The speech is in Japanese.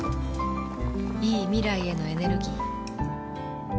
いい未来へのエネルギー